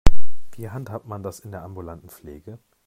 Wie handhabt man das in der ambulanten Pflege?